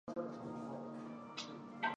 是连接市区与高校之间的重要线路。